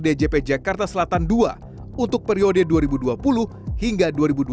djp jakarta selatan ii untuk periode dua ribu dua puluh hingga dua ribu dua puluh empat